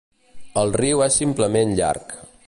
El riu és simplement llarg.